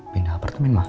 pindah apartemen ma